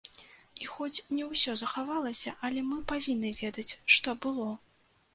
І хоць не ўсё захавалася, але мы павінны ведаць, што было.